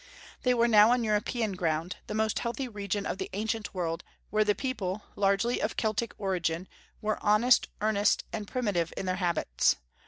They were now on European ground, the most healthy region of the ancient world, where the people, largely of Celtic origin, were honest, earnest, and primitive in their habits.